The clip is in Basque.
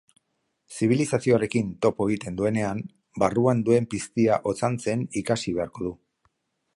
Zibilizazioarekin topo egiten duenean, barruan duen piztia otzantzen ikasi beharko du.